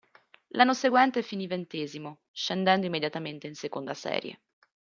L'anno seguente finì ventesimo, scendendo immediatamente in seconda serie.